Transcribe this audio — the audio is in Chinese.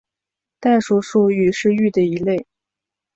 代数数域是域的一类。